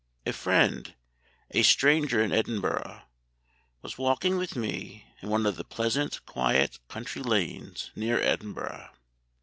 A friend, a stranger in Edinburgh, was walking with me in one of the pleasant, quiet, country lanes near Edinburgh.